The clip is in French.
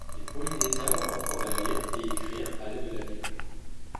Les Polynésiens vont apprendre à lire et écrire à l'aide de la Bible.